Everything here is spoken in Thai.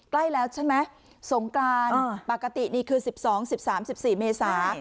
ใกล้แล้วใช่ไหมสงกรานปกตินี่คือ๑๒๑๓๑๔เมษา